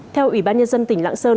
theo ủy ban nhân dân tỉnh lạng sơn